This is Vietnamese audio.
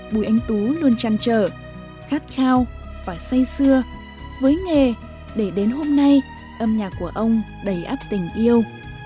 bùi anh tú luôn chăn trở khát khao và say xưa với nghề để đến hôm nay âm nhạc của ông đầy áp tình yêu